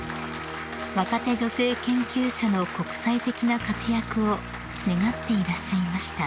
［若手女性研究者の国際的な活躍を願っていらっしゃいました］